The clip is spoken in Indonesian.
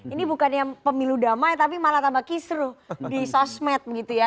ini bukannya pemilu damai tapi malah tambah kisru di sosmed gitu ya